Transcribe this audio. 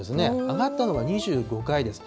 上がったのが２５回です。